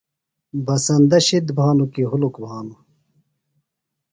بسندہ شِد بھانُوۡ کی ہُلک بھانوۡ؟